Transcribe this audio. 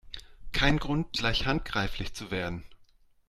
Kein Grund, gleich handgreiflich zu werden